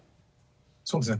そうですね。